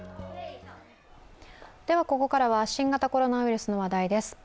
ここからは新型コロナウイルスの話題です。